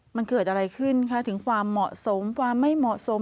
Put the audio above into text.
มันเกิดอะไรขึ้นคะถึงความเหมาะสมความไม่เหมาะสม